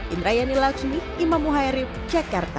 indrayani lacuni imam muhairif jakarta